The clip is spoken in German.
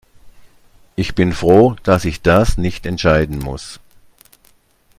Ich bin froh, dass ich das nicht entscheiden muss.